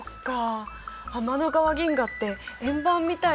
天の川銀河って円盤みたいな形なんだ。